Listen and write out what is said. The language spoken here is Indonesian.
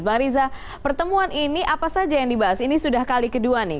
bang riza pertemuan ini apa saja yang dibahas ini sudah kali kedua nih